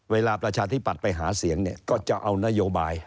เวลาประชาธิปัตย์ไปหาเสียงก็จะเอานโยบาย